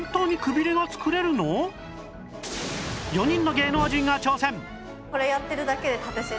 ４人の芸能人が挑戦！